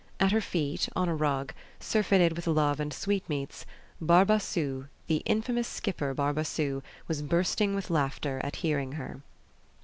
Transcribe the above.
At her feet, on a rug, surfeited with love and sweetmeats, Barbassou, the infamous skipper Barbassou, was bursting with laughter at hearing her.